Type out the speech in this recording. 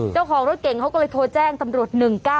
เจ้าของรถเก่งเขาก็เลยโทรแจ้งตำรวจ๑๙๙